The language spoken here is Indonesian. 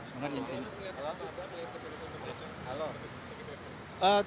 bagaimana apakah pilihan keseriusan yang kamu lihat ini